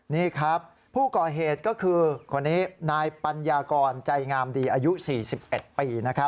นี่ครับผู้ก่อเหตุก็คือคนนี้นายปัญญากรใจงามดีอายุ๔๑ปี